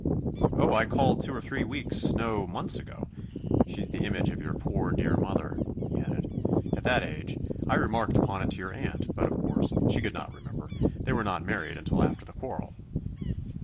"Oh, I called two or three weeks no, months ago. She's the image of your poor, dear mother," he added, "at that age; I remarked upon it to your aunt, but, of course, she could not remember. They were not married until after the quarrel."